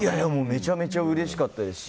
めちゃめちゃうれしかったですし。